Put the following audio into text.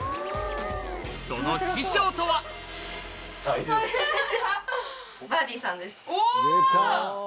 その師匠とはお！